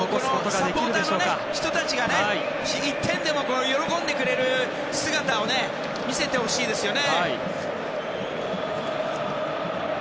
サポーターの人たちが１点でも喜んでくれる姿を見せてほしいですよね。